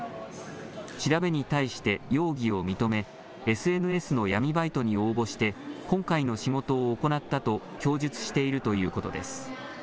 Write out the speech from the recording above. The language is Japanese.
調べに対して容疑を認めＳＮＳの闇バイトに応募して今回の仕事を行ったと供述しているということです。